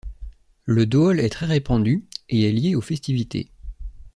Le dohol est très répandu et est lié aux festivités.